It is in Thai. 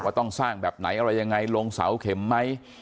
ต้องสร้างแบบไหนอะไรยังไงลงเสาเข็มไหม